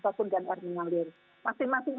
sosok dan orginalir masing masing